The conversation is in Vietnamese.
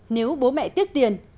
nếu bố mẹ tiếc tiền